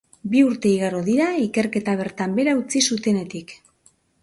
Bi urte igaro dira ikerketa bertan behera utzi zutenetik.